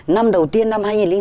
năm đầu tiên năm hai nghìn sáu